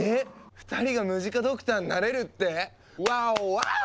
２人がムジカドクターになれるって⁉ワオワオ！